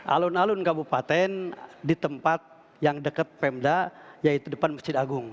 alun alun kabupaten di tempat yang dekat pemda yaitu depan masjid agung